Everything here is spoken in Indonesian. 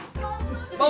bau apa nih